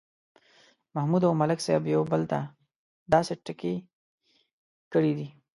محمود او ملک صاحب یو بل ته داسې ټکي کړي دي